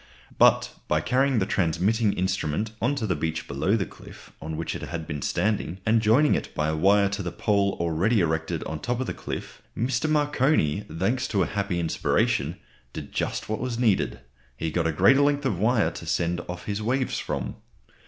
But by carrying the transmitting instrument on to the beach below the cliff on which it had been standing, and joining it by a wire to the pole already erected on the top of the cliff, Mr. Marconi, thanks to a happy inspiration, did just what was needed; he got a greater length of wire to send off his waves from.